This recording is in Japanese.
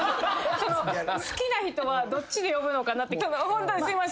好きな人はどっちで呼ぶのかなってホントすいません。